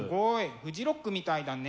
フジロックみたいだね。